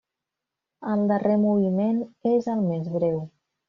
El darrer moviment és el més breu.